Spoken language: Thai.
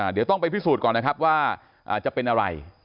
เดี๋ยวต้องไปพิสูจน์ก่อนนะครับว่าจะเป็นอะไร